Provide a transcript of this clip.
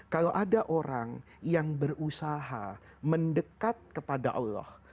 kalau ada orang yang berusaha mendekat kepada allah